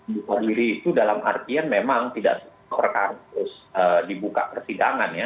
buka diri itu dalam artian memang tidak semua perkara harus dibuka persidangan ya